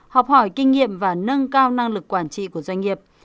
học hỏi kinh nghiệm và nâng cao năng lực quản trị của doanh nghiệp